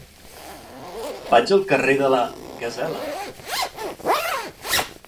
Vaig al carrer de la Gasela.